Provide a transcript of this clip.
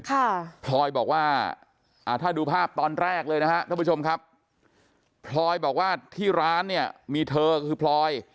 พลอยบอกว่าอ่าถ้าดูภาพตอนแรกเลยนะฮะท่านผู้ชมครับพลอยบอกว่าที่ร้านเนี่ยมีเธอคือพลอย